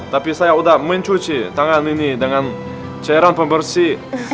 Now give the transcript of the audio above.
tapi saya sudah mencuci tangan ini dengan cairan pembersih